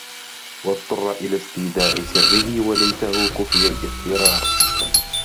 وَاضْطَرَّ إلَى اسْتِيدَاعِ سِرِّهِ وَلَيْتَهُ كُفِيَ الِاضْطِرَارُ